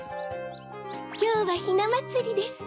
きょうはひなまつりです